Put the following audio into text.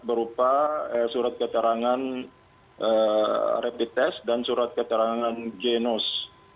berupa surat keterangan rapid test dan surat keterangan genos